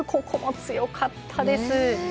ここも強かったです。